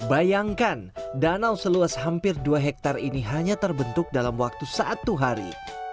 bayangkan danau seluas hampir dua hektare ini hanya terbentuk dalam waktu satu hari